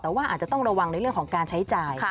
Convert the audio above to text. แต่ว่าอาจจะต้องระวังในเรื่องของการใช้จ่าย